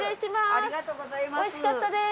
ありがとうございます。